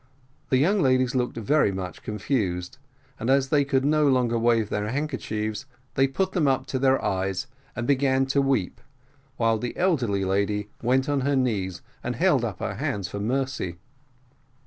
The young ladies looked very much confused, and as they could no longer wave their handkerchiefs, they put them up to their eyes and began to weep, while the elderly lady went on her knees, and held her hands up for mercy.